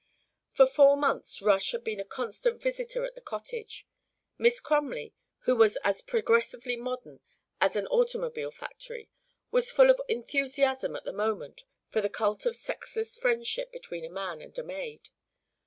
For four months Rush had been a constant visitor at the cottage. Miss Crumley, who was as progressively modern as an automobile factory, was full of enthusiasm at the moment for the cult of sexless friendship between a man and a maid.